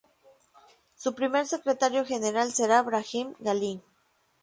Su primer secretario general será Brahim Gali.